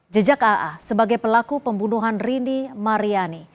jejak aa sebagai pelaku pembunuhan rini mariani